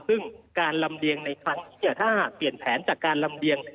ซึ่งการลำเลียงในครั้งนี้ถ้าเปลี่ยนแผนจากการลำเลียง